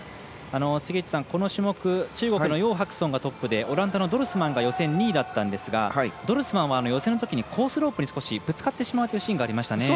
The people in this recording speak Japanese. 杉内さん、この種目中国の楊博尊がトップでオランダのドルスマンが予選２位だったんですがドルスマンは予選のときにコースロープにぶつかってしまうシーンがありましたね。